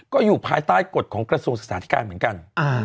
ก็อยู่ภายใต้กฎของกระทรวงศึกษาธิการเหมือนกัน